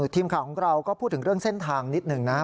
ทีมข่าวของเราก็พูดถึงเรื่องเส้นทางนิดหนึ่งนะ